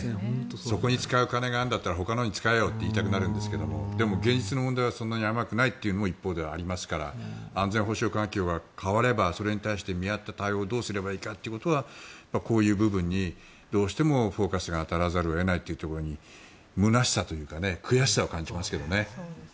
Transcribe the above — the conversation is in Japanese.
そこに使う金があるんだったらほかに使えよと言いたくなるんですけどでも、現実問題はそんなに甘くないというのも一方ではありますから安全保障環境が変わればそれに対して見合った対応をどうすればいいかということはこういう部分にどうしてもフォーカスが当たらざるを得ないというところに空しさというか悔しさを感じますけどね。